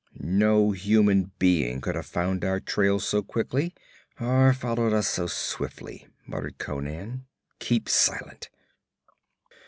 'No human being could have found our trail so quickly, or followed us so swiftly,' muttered Conan. 'Keep silent.'